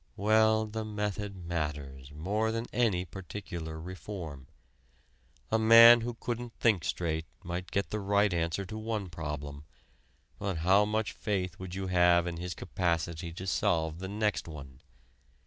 Well, the method matters more than any particular reform. A man who couldn't think straight might get the right answer to one problem, but how much faith would you have in his capacity to solve the next one?